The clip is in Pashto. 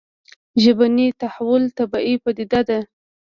ژبني تحول طبیعي پديده ده